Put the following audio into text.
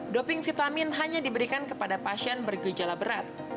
doping vitamin hanya diberikan kepada pasien bergejala berat